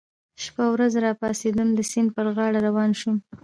شېبه وروسته را پاڅېدم، د سیند پر غاړه روان شوم.